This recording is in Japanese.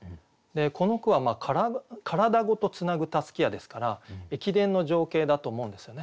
この句は「体ごと繋ぐ襷や」ですから駅伝の情景だと思うんですよね